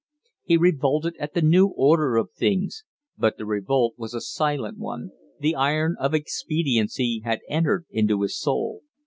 He revolted at the new order of things, but the revolt was a silent one the iron of expediency had entered into his soul.